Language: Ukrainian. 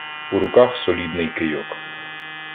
У руках — солідний кийок.